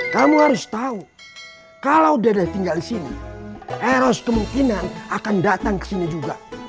kamu harus tahu kalau dede tinggal di sini eros kemungkinan akan datang ke sini juga